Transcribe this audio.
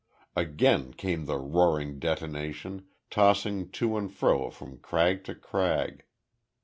Again came the roaring detonation, tossing to and fro from crag to crag.